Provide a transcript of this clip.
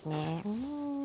うん。